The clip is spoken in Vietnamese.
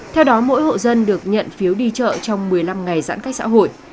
theo đó mỗi hộ dân được nhận phiếu đi chợ trong một mươi năm ngày giãn cách xã hội